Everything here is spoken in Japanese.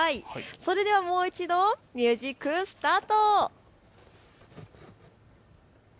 それではもう一度、ミュージック、スタート。